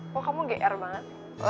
kok kamu gr banget